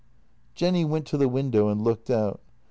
Jenny went to the window and looked out.